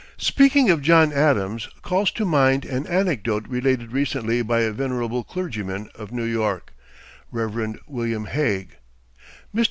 Speaking of John Adams calls to mind an anecdote related recently by a venerable clergyman of New York, Rev. William Hague. Mr.